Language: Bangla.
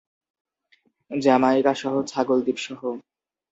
জামাইকা সহ, ছাগল দ্বীপ সহ।